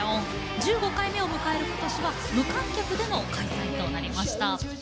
１５回目を迎えることしは無観客での開催となりました。